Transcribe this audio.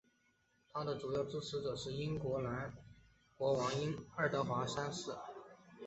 他的主要支持者是英格兰国王爱德华三世。